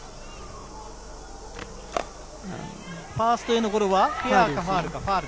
ファーストへのゴロはフェアかファウル。